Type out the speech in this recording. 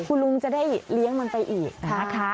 คุณลุงจะได้เลี้ยงมันไปอีกนะคะ